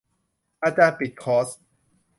อาจารย์ปิดคอร์ส